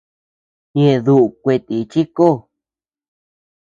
¿Ñeʼe duʼu kuetíchi ko?